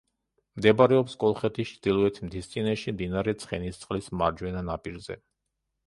მდებარეობს კოლხეთის ჩრდილოეთ მთისწინეთში მდინარე ცხენისწყლის მარჯვენა ნაპირზე.